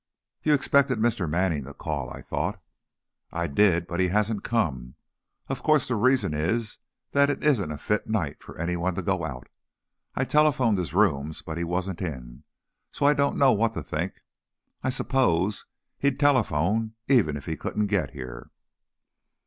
"You expected Mr. Manning to call, I thought." "I did; but he hasn't come. Of course, the reason is that it isn't a fit night for anyone to go out. I telephoned his rooms, but he wasn't in. So I don't know what to think. I'd suppose he'd telephone even if he couldn't get here."